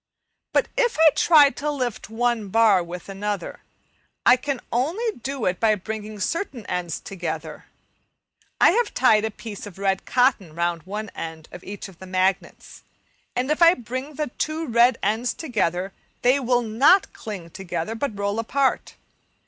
But if I try to lift one bar with another, I can only do it by bringing certain ends together. I have tied a piece of red cotton (c, Fig. 21) round one end of each of the magnets, and if I bring two red ends together they will not cling together but roll apart.